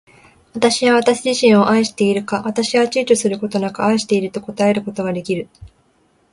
私は私自身を愛しているか。私は躊躇ちゅうちょすることなく愛していると答えることが出来る。